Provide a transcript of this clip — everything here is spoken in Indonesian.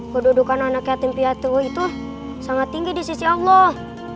kedudukan anak yatim piatu itu sangat tinggi di sisi allah